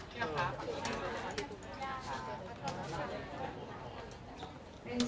ขอบคุณครับ